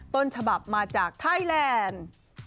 ต้นฉบับมาจากไทยแลนด์